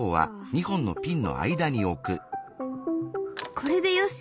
これでよし。